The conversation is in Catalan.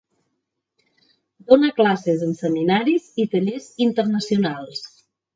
Dóna classes en seminaris i tallers internacionals.